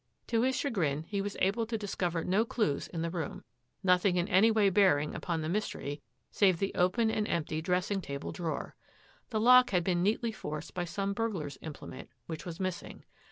To his chagrin, he was able to discover no clues in the room, nothing in any way bearing upon the mystery save the open and empty dressing table drawer. The lock had been neatly forced by some burglar's implement, which was missing.